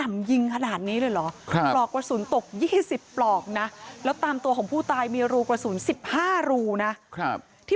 มาหาเรื่องของพ่อครับใช่